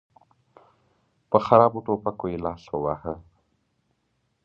په خرابو ټوپکو یې لاس وواهه.